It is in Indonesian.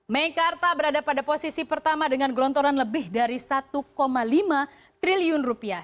meikarta berada pada posisi pertama dengan gelontoran lebih dari satu lima triliun rupiah